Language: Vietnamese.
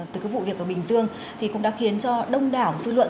từ cái vụ việc ở bình dương thì cũng đã khiến cho đông đảo dư luận